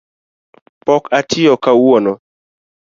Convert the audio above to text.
Pok atiyo kawuono.